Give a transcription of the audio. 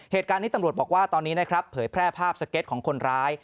เหตุการณ์นี้ตำรวจบอกว่าตอนนี้นะครับเผยแพร่ภาพสเก็ตของคนร้าย